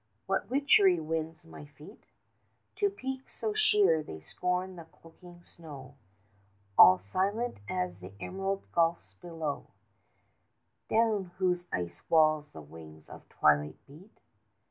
what witchery wins my feet To peaks so sheer they scorn the cloaking snow, All silent as the emerald gulfs below, Down whose ice walls the wings of twilight beat?